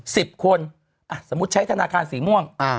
สิบคนสมมุติใช้ธนาคารสีม่วง